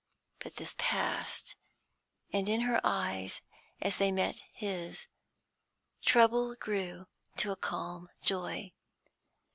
But this passed, and in her eyes, as they met his, trouble grew to a calm joy.